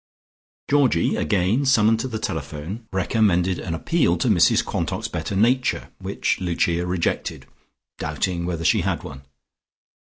Georgie, again summoned to the telephone, recommended an appeal to Mrs Quantock's better nature, which Lucia rejected, doubting whether she had one.